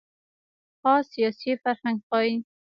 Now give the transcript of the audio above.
خاص سیاسي فرهنګ ښيي.